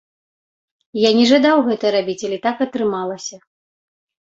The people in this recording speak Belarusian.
Я не жадаў гэта рабіць, але так атрымалася.